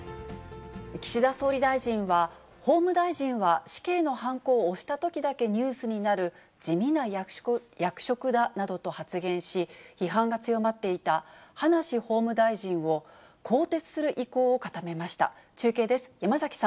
岸田総理大臣は、法務大臣は死刑のはんこを押したときだけニュースになる地味な役職だなどと発言し、批判が強まっていた葉梨法務大臣を更迭する意向を固めました。